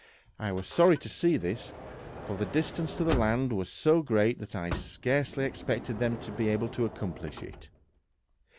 I was sorry to see this, for the distance to the land was so great that I scarcely expected them to be able to accomplish it.